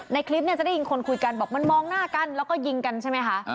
ในคลิปเนี่ยจะได้ยินคนคุยกันบอกมันมองหน้ากันแล้วก็ยิงกันใช่ไหมคะ